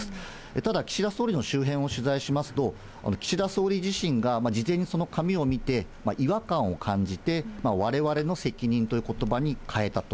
ただ岸田総理の周辺を取材しますと、岸田総理自身が事前にその紙を見て、違和感を感じて、われわれの責任ということばに変えたと。